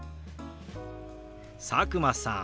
佐久間さん